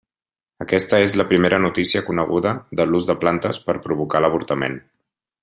Aquesta és la primera notícia coneguda de l'ús de plantes per provocar l'avortament.